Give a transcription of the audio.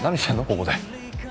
ここで。